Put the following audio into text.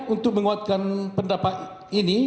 untuk menguatkan pendapat ini